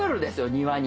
庭に。